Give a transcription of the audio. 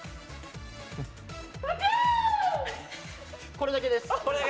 これだけです。